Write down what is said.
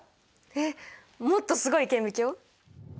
えっもっとすごい顕微鏡？